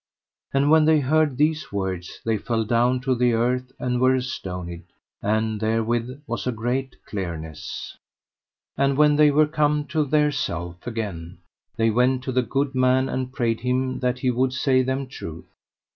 And when they heard these words they fell down to the earth and were astonied; and therewith was a great clearness. And when they were come to theirself again they went to the good man and prayed him that he would say them truth.